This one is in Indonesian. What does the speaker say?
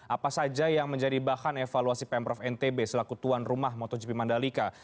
apa saja yang menjadi bahan evaluasi pemprov ntb selaku tuan rumah motogp mandalika